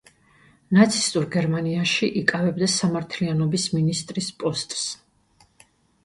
ნაცისტურ გერმანიაში იკავებდა სამართლიანობის მინისტრის პოსტს.